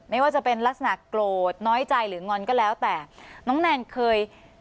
ไม่ว่าจะเป็นลักษณะโกรธน้อยใจหรืองอนก็แล้วแต่น้องแนนเคย